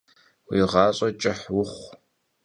Vui ğaş'e ç'ıh vuxhu!